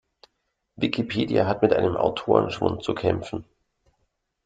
Wikipedia hat mit einem Autorenschwund zu kämpfen.